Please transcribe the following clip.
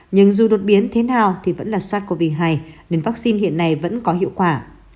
nhưng dù đột biến thế nào thì vẫn là sars cov hai nên vaccine hiện nay vẫn có hiệu quả